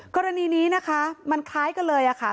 กรณีนี้นะคะมันคล้ายกันเลยค่ะ